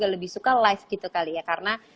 lebih suka live gitu kali ya karena